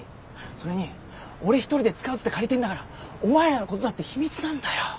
それに俺１人で使うっつって借りてんだからお前らのことだって秘密なんだよ。